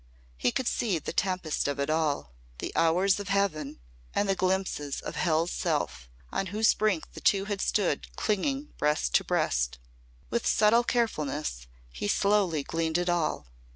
He could see the tempest of it all the hours of heaven and the glimpses of hell's self on whose brink the two had stood clinging breast to breast. With subtle carefulness he slowly gleaned it all.